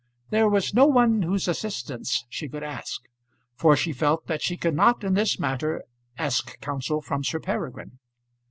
There was no one whose assistance she could ask; for she felt that she could not in this matter ask counsel from Sir Peregrine.